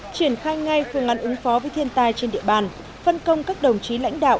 triển khai ngay phương án ứng phó với thiên tai trên địa bàn phân công các đồng chí lãnh đạo